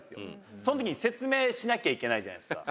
「その時に説明しなきゃいけないじゃないですか」